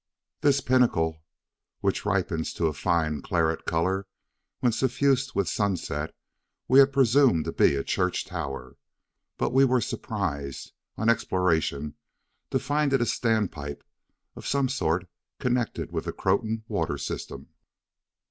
This pinnacle, which ripens to a fine claret colour when suffused with sunset, we had presumed to be a church tower, but were surprised, on exploration, to find it a standpipe of some sort connected with the Croton water system.